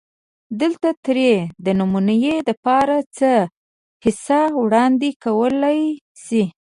دلته ترې دنمونې دپاره څۀ حصه وړاندې کولی شي